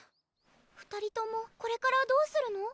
２人ともこれからどうするの？